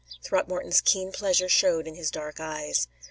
Throckmorton's keen pleasure showed in his dark eyes.